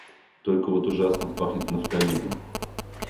Только вот ужасно пахнет нафталином.